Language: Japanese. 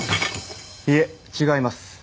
いえ違います